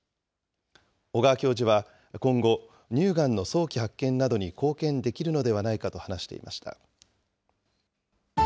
小川教授は今後、乳がんの早期発見などに貢献できるのではないかと話していました。